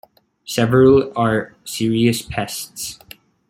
Several are serious pests.